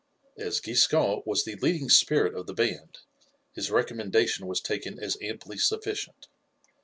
As Giscon was the leading spirit of the band his recommendation was taken as amply sufficient.